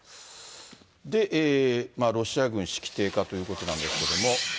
で、ロシア軍、士気低下ということなんですけれども。